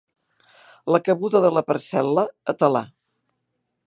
La cabuda de la parcel·la a talar.